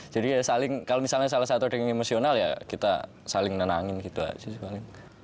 jadi ya saling kalau misalnya salah satu ada yang emosional ya kita saling nenangin gitu aja sih paling